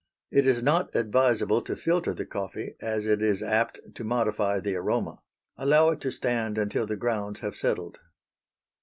It is not advisable to filter the coffee as it is apt to modify the aroma. Allow it to stand until the grounds have settled.